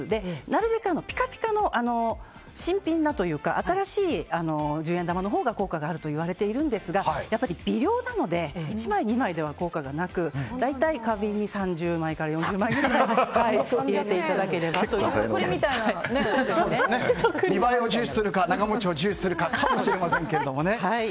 なるべくピカピカの新品のというか新しい十円玉のほうが効果があるといわれているんですがやっぱり微量なので１枚、２枚では効果がなく大体花瓶に３０枚から４０枚くらい見栄えを重視するか長持ちを重視するかですね。